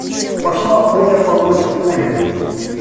Пошла Поля полоть в поле.